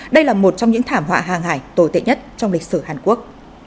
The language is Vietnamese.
đây là một trong những thảm họa hàng hải tồi tệ nhất trong lịch sử hàn quốc